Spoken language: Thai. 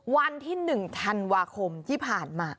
วันที่๑ธันวาคมที่ผ่านมา